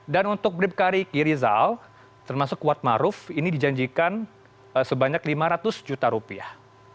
dan untuk bribka riki rizal termasuk kuatmaruf ini dijanjikan sebanyak lima ratus juta rupiah